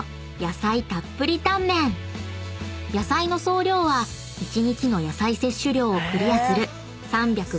［野菜の総量は１日の野菜摂取量をクリアする］